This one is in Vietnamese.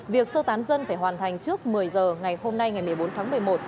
việc sơ tán dân phải hoàn thành trước một mươi giờ ngày hôm nay ngày một mươi bốn tháng một mươi một